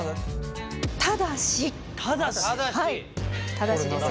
ただしですよ。